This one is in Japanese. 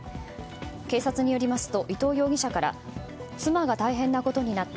警察によりますと伊藤容疑者から妻が大変なことになった